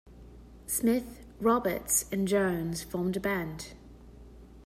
Smith, Roberts and Jones formed a band.